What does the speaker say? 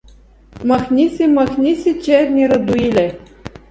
— Махни се, махни се, черни Радоиле!